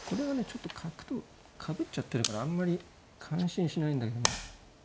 ちょっと角とかぶっちゃってるからあんまり感心しないんだけどね。